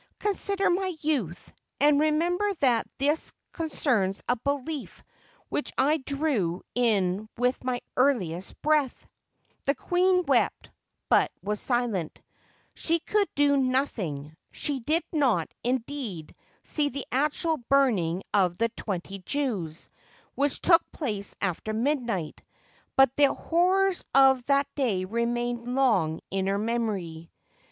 Consider my youth, and remember that this concerns a belief which I drew in with my earUest breath." The queen wept, but was silent. She could do noth ing. She did not, indeed, see the actual burning of the twenty Jews, which took place after midnight; but the horrors of that day remained long in her memory.